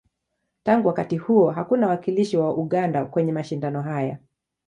Tangu wakati huo, hakuna wawakilishi wa Uganda kwenye mashindano haya.